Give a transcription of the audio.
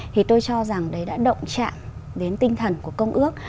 thì tôi cho rằng đấy đã động trạng đến tinh thần của công ước